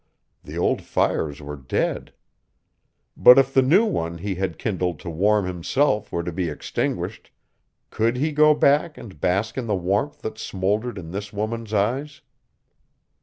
The old fires were dead. But if the new one he had kindled to warm himself were to be extinguished, could he go back and bask in the warmth that smoldered in this woman's eyes?